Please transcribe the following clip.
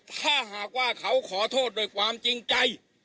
ถ้าหากว่าเขาขอโทษโดยความจริงใจ